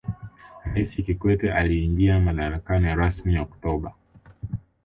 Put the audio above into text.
raisi kikwete aliingia madarakani rasmi oktoba